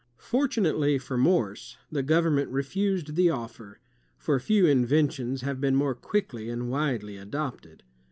Fortunately for Morse, the government refused the offer, for few inventions have been more quickly and widely adopted.